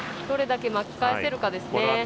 どれだけ巻き返せるかですね。